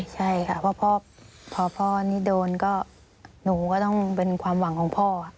ใช่ค่ะเพราะพอพ่อนี่โดนก็หนูก็ต้องเป็นความหวังของพ่อ